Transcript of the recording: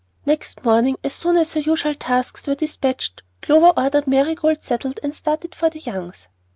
Next morning, as soon as her usual tasks were despatched, Clover ordered Marigold saddled and started for the Youngs'.